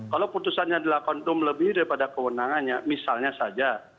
kalau putusan yang dilakukan itu melebihi dari pada kewenangannya misalnya saja